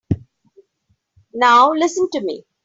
Now listen to me.